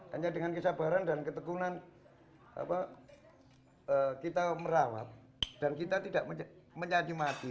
hanya dengan kesabaran dan ketekunan kita merawat dan kita tidak menyajimati